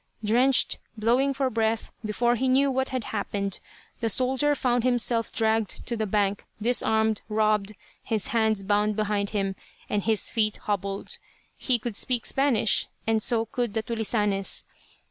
Drenched, blowing for breath, before he knew what had happened, the soldier found himself dragged to the bank, disarmed, robbed, his hands bound behind him, and his feet hobbled. He could speak Spanish and so could the "tulisanes."